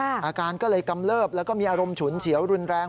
อาการก็เลยกำเลิบแล้วก็มีอารมณ์ฉุนเฉียวรุนแรง